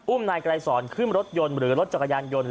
นายไกรสอนขึ้นรถยนต์หรือรถจักรยานยนต์